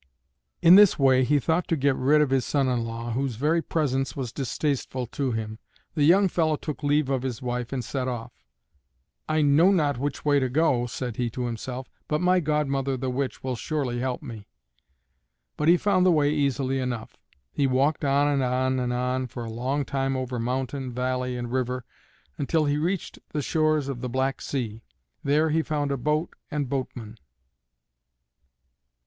In this way he thought to get rid of his son in law, whose very presence was distasteful to him. The young fellow took leave of his wife and set off. "I know not which way to go," said he to himself, "but my godmother the witch will surely help me." But he found the way easily enough. He walked on and on and on for a long time over mountain, valley, and river, until he reached the shores of the Black Sea. There he found a boat and boatman.